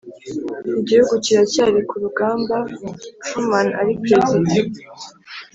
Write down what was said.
igihugu kiracyari ku rugamba, truman ari perezida